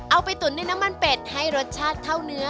เอาไปตุ๋นในน้ำมันเป็ดให้รสชาติเข้าเนื้อ